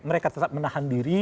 mereka tetap menahan diri